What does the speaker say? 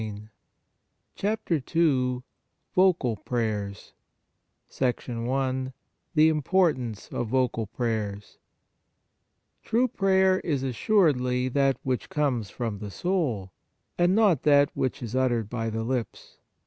28 CHAPTER II VOCAL PRAYERS I The Importance of Vocal Prayers TRUE prayer is assuredly that which comes from the soul, and not that which is uttered by the lips.